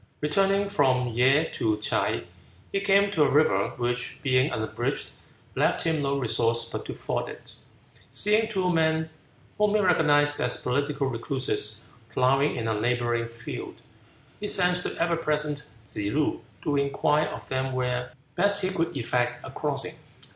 Returning from Ye to Ts'ae, he came to a river which, being unbridged, left him no resource but to ford it. Seeing two men whom he recognized as political recluses ploughing in a neighboring field, he sent the ever present Tsze loo to inquire of them where best he could effect a crossing.